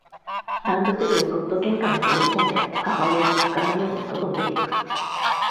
ランドセルをそっと玄関に放りこんで、母親に見つからぬように、外に出ていく。